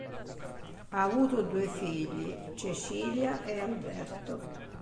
Ha avuto due figli, Cecilia e Alberto.